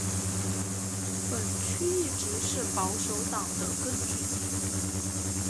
本区一直是保守党的根据地。